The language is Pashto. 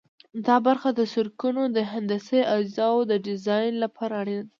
دا برخه د سرکونو د هندسي اجزاوو د ډیزاین لپاره اړینه ده